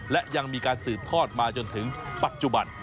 และยังมีการสืบทอดมาจนถึงปัจจุบัน